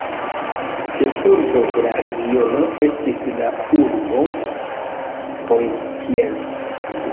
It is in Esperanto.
Ĉefurbo de la regiono estis la urbo Poitiers.